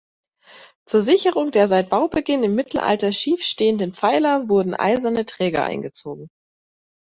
Zur Sicherung der seit Baubeginn im Mittelalter schief stehenden Pfeiler wurden eiserne Träger eingezogen.